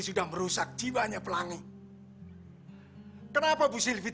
saya benar benar minta maaf